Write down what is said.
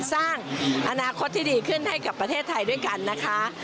สร้างอนาคตที่ดีขึ้นให้กับประเทศไทยด้วยกันนะคะ